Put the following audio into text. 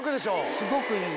すごくいい。